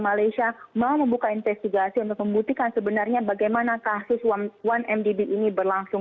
malaysia mau membuka investigasi untuk membuktikan sebenarnya bagaimana kasus satu mdb ini berlangsung